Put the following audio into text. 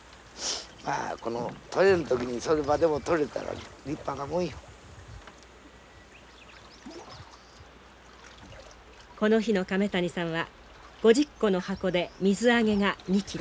まあこの取れん時にそれまでも取れたら立派なもんよ。この日の亀谷さんは５０個の箱で水揚げが２キロ。